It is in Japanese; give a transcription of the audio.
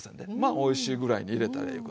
おいしいぐらいに入れたらええいうことでしょ。